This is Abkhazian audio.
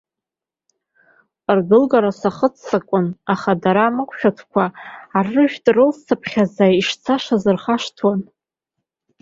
Рдәылгара сахыццакуан, аха дара амықәшәатәқәа, арыжәтә рылсцыԥхьаӡа ишцашаз рхашҭуан.